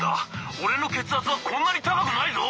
俺の血圧はこんなに高くないぞ！」。